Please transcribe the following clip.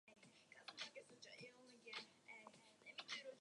After the enormous success of the single, the band became more conservative.